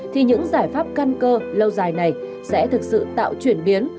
thì những giải pháp căn cơ lâu dài này sẽ thực sự tạo chuyển biến